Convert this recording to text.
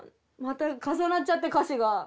また重なっちゃって歌詞が。